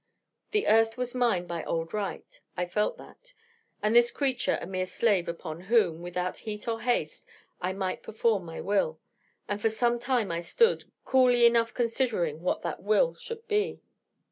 The earth was mine by old right: I felt that: and this creature a mere slave upon whom, without heat or haste, I might perform my will: and for some time I stood, coolly enough considering what that will should be.